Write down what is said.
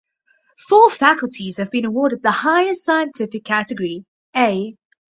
Four faculties have been awarded the highest scientific category "A".